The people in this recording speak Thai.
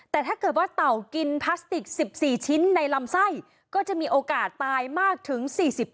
แต่ถ้าเกิดว่าเต่ากินพลาสติก๑๔ชิ้นในลำไส้ก็จะมีโอกาสตายมากถึง๔๐